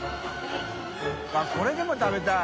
△これでも食べたい。